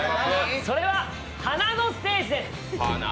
それが華のステージです。